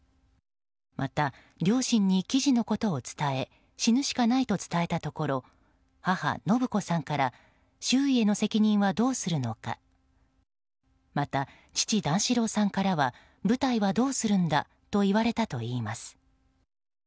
また、両親に記事のことを伝え死ぬしかないと伝えたところ母・延子さんから周囲への責任はどうするのかまた、父・段四郎さんからは舞台はどうするんだと言われたといいます。